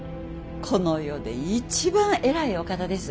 この世で一番偉いお方です。